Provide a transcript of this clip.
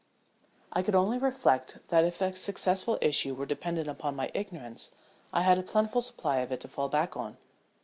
I could only reflect that if a successful issue were dependent upon my ignorance I had a plentiful supply of it to fall back on.